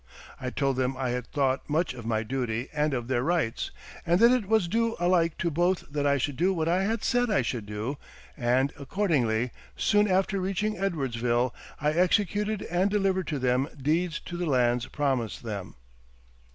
I told them I had thought much of my duty and of their rights, and that it was due alike to both that I should do what I had said I should do; and accordingly, soon after reaching Edwardsville, I executed and delivered to them deeds to the lands promised them.